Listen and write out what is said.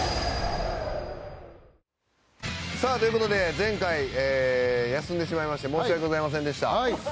前回、休んでしまいまして申し訳ございませんでした。